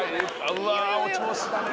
うわお調子だね。